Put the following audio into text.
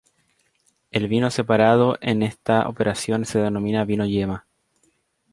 El vino separado en esta operación se denomina vino yema.